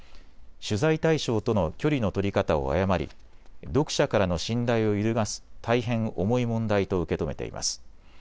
取材対象との距離の取り方を誤り、読者からの信頼を揺るがす大変重い問題と受け止めています。